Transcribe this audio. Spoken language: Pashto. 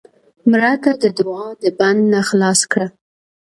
مړه ته د دوعا د بند نه خلاص کړه